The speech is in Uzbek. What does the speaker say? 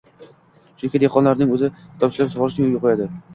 chunki dehqonning o‘zi tomchilab sug‘orishni yo‘lga qo‘yadi.